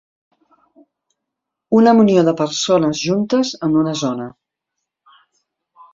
Una munió de persones juntes en una zona.